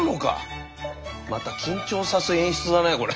また緊張さす演出だねこれ。